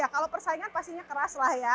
ya kalau persaingan pastinya keras lah ya